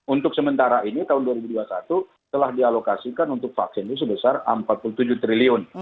untuk sementara ini tahun dua ribu dua puluh satu telah dialokasikan untuk vaksin itu sebesar rp empat puluh tujuh triliun